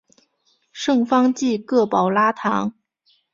圣方济各保拉堂。